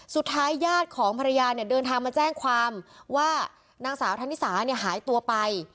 ญาติของภรรยาเนี่ยเดินทางมาแจ้งความว่านางสาวธนิสาเนี่ยหายตัวไป